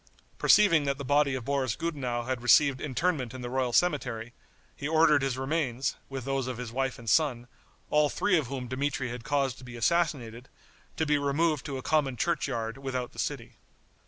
Perceiving that the body of Boris Gudenow had received interment in the royal cemetery, he ordered his remains, with those of his wife and son, all three of whom Dmitri had caused to be assassinated, to be removed to a common churchyard without the city.